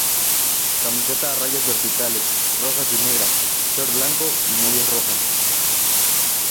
Camiseta a rayas verticales rojas y negras, short blanco y medias rojas.